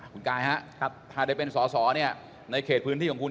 คุณกายครับถ้าได้เป็นสอในเขตพื้นที่ของคุณ